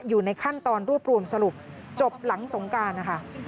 อยู่ในขั้นตอนรวบรวมสรุปจบหลังสงการนะคะ